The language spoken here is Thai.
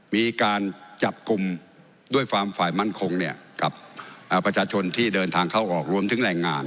มีการจับกลุ่มด้วยความฝ่ายมั่นคงกับประชาชนที่เดินทางเข้าออกรวมถึงแรงงาน